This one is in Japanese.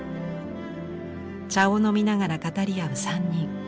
茶を飲みながら語り合う３人。